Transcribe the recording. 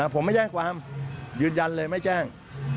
ผมไม่แจ้งความยืนยันเลยไม่แจ้ง